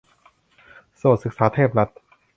โสตศึกษาเทพรัตน์